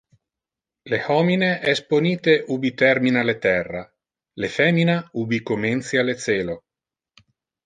Le homine es ponite ubi termina le terra, le femina ubi comencia le celo.